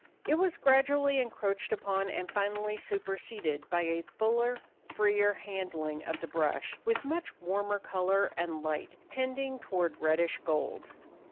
It was gradually encroached upon and finally superseded by a fuller, freer handling of the brush, with much warmer color and light, tending toward reddish gold.